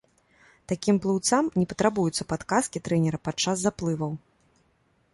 Такім плыўцам не патрабуюцца падказкі трэнера падчас заплываў.